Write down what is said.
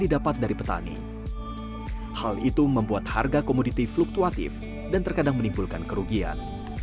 didapat dari petani hal itu membuat harga komoditi fluktuatif dan terkadang menimbulkan kerugian